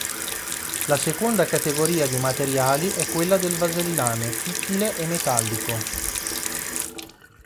La seconda categoria di materiali è quella del vasellame, fittile e metallico.